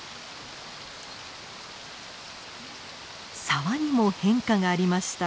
沢にも変化がありました。